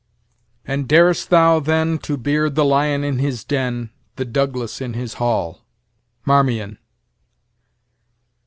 "And dar'st thou then To beard the lion in his den, The Douglas in his hall." Marmion.